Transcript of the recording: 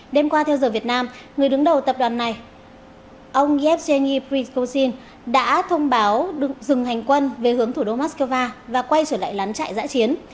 đêm qua theo giờ việt nam người đứng đầu tập đoàn này ông yevgeny prishosin đã thông báo được dừng hành quân về hướng thủ đô moscow và quay trở lại lán trại giã chiến